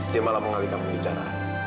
dia malah mengalihkan bicara